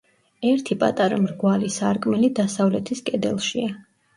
ერთი პატარა მრგვალი სარკმელი დასავლეთის კედელშია.